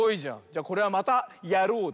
じゃこれは「またやろう！」